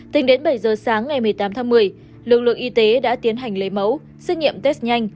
tính đến bảy giờ sáng ngày một mươi tám tháng một mươi lực lượng y tế đã tiến hành lấy mẫu xét nghiệm test nhanh